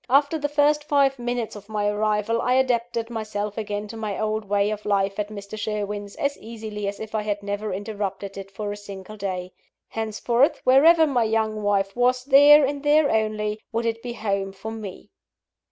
After the first five minutes of my arrival, I adapted myself again to my old way of life at Mr. Sherwin's, as easily as if I had never interrupted it for a single day. Henceforth, wherever my young wife was, there, and there only, would it be home for _me!